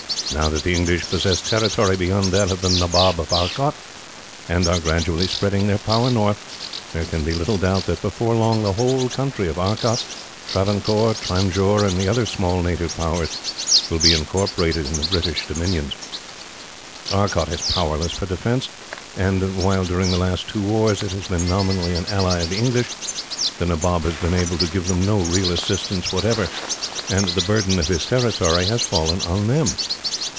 Now that the English possess territory beyond that of the Nabob of Arcot, and are gradually spreading their power north, there can be little doubt that, before long, the whole country of Arcot, Travancore, Tanjore, and other small native powers will be incorporated in their dominions. Arcot is powerless for defence, and while, during the last two wars, it has been nominally an ally of the English, the Nabob has been able to give them no real assistance whatever, and the burden of his territory has fallen on them.